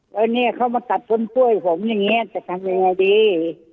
แล้วเนี่ยเขามาตัดต้นกล้วยผมอย่างนี้จะทำยังไงดี